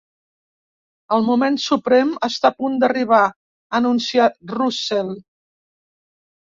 El moment suprem està a punt d'arribar —anuncia Russell.